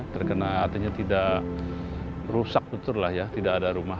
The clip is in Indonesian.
terkena artinya tidak rusak betul lah ya tidak ada rumah